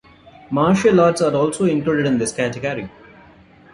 Martial arts are also included in this category.